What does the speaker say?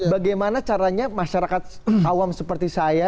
bagaimana caranya masyarakat awam seperti saya